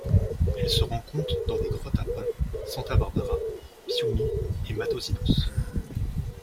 Elle se rencontre dans des grottes à Pains, Santa Bárbara, Piumhi et Matozinhos.